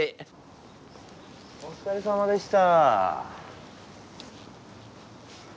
おつかれさまでした。